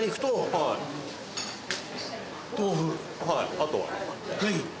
あとは？